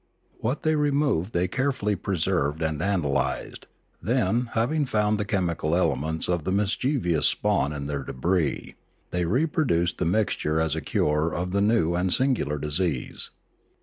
What they removed they carefully preserved and analysed; then, having found the chemical elements of the mischievous spawn and their debris, they repro duced the mixture as a cure of the new and singular disease.